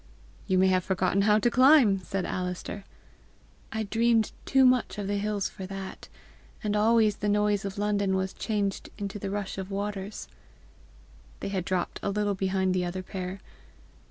"You may have forgotten how to climb!" said Alister. "I dreamed too much of the hills for that! And always the noise of London was changed into the rush of waters." They had dropped a little behind the other pair.